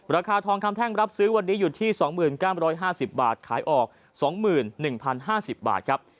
ราคาทองคำแท่งรับซื้อวันนี้อยู่ที่๒๙๕๐บาทขายออก๒๑๐๕๐บาทครับ